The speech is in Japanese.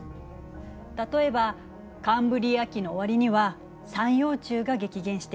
例えばカンブリア紀の終わりには三葉虫が激減している。